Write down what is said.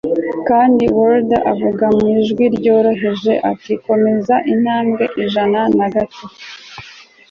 Kandi Warder avuga mu ijwi ryoroheje ati Komeza intambwe ijana na gatatu